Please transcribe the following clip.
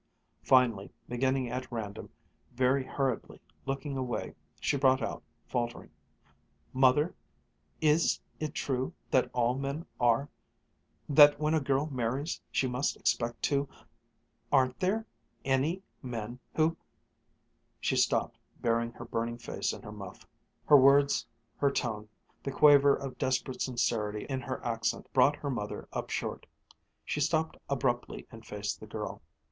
Finally, beginning at random, very hurriedly, looking away, she brought out, faltering, "Mother, is it true that all men are that when a girl marries she must expect to aren't there any men who " She stopped, burying her burning face in her muff. Her words, her tone, the quaver of desperate sincerity in her accent, brought her mother up short. She stopped abruptly and faced the girl.